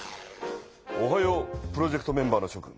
おはようプロジェクトメンバーのしょ君。